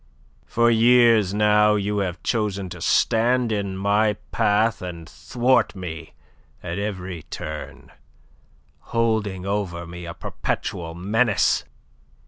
For years now you have chosen to stand in my path and thwart me at every turn, holding over me a perpetual menace.